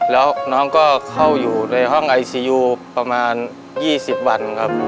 แล้วน้องก็เข้าอยู่ในห้องไอซียูประมาณ๒๐วันครับ